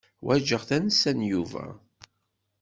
Ḥwaǧeɣ tansa n Yuba.